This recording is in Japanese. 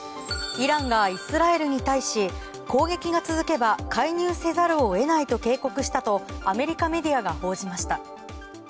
イランがイスラエルに対し攻撃が続けば介入せざるを得ないと警告したとアメリカメディアが報じました。